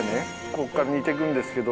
こっから煮てくんですけど。